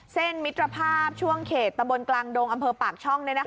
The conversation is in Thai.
เส้นมิตรภาพช่วงเขตตะบลกลางดงอำเภอปากช่องนี่นะครับ